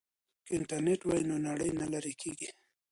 که انټرنیټ وي نو نړۍ نه لیرې کیږي.